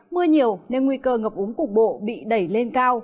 mưa nhiều nên nguy cơ ngập úng cục bộ bị đẩy lên cao